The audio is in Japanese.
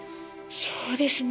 そうですね。